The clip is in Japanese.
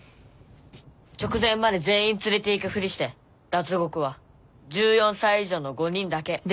直前まで全員連れていくふりして脱獄は１４歳以上の５人だけ。